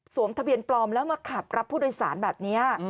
ทะเบียนปลอมแล้วมาขับรับผู้โดยสารแบบนี้